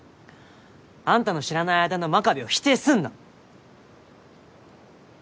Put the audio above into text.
あんたの知らない間の真壁を否定すんな！